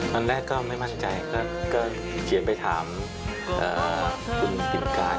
ตอนแรกก็ไม่มั่นใจก็เขียนไปถามคุณปิ่นกาย